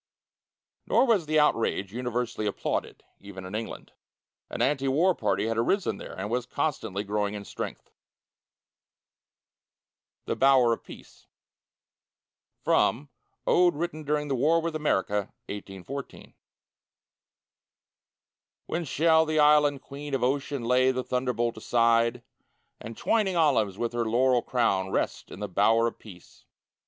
Nor was the outrage universally applauded, even in England. An anti war party had arisen there, and was constantly growing in strength. THE BOWER OF PEACE From "Ode Written during the War with America, 1814" When shall the Island Queen of Ocean lay The thunderbolt aside, And, twining olives with her laurel crown, Rest in the Bower of Peace?